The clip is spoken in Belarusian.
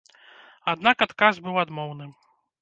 Аднак адказ быў адмоўным.